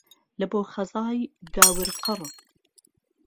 له بۆ خهزای گاور قڕ